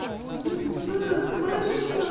ん？あっマリーさん。